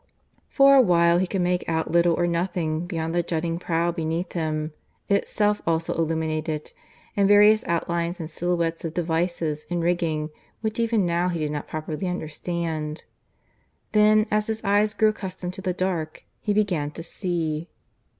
For a while he could make out little or nothing beyond the jutting prow beneath him, itself also illuminated, and various outlines and silhouettes of devices and rigging which even now he did not properly understand. Then, as his eyes grew accustomed to the dark, he began to see.